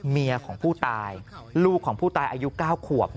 เมียของผู้ตายลูกของผู้ตายอายุ๙ขวบ